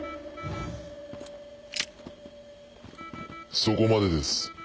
そこまでです